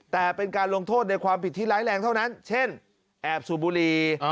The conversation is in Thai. แต่เป็นการลงโทษในความผิดที่ร้ายแรงเท่านั้นเช่นแอบสูบบุรี